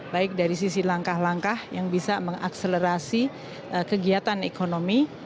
baik dari sisi langkah langkah yang bisa mengakselerasi kegiatan ekonomi